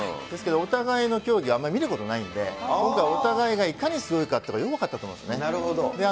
ですけど、お互いの競技、あんまり見ることないんで、今回、お互いがいかにすごいかっていうことがよく分かったと思うですよね。